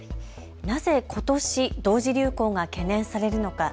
なぜ、ことし同時流行が懸念されるのか。